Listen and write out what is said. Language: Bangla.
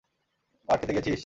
পাট ক্ষেতে গিয়েছিস?